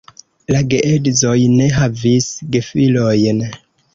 La geedzoj ne havis gefilojn.